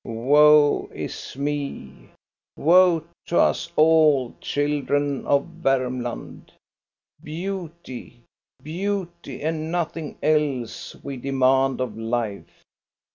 "Woe is me, woe to us all, children of Varmland! Beauty, beauty and nothing else, we demand of life.